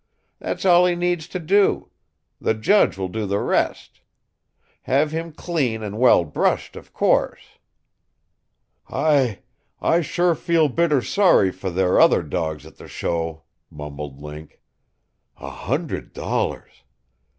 That's all he needs to do. The judge will do the rest. Have him clean and well brushed, of course." "I I sure feel bitter sorry for there other dawgs at the show!" mumbled Link. "A hundred dollars!